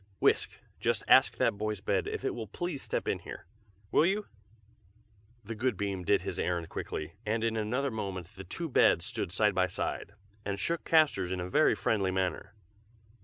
Whisk, just ask that boy's bed if it will please step in here, will you?" The good beam did his errand quickly, and in another moment the two beds stood side by side, and shook castors in a very friendly manner.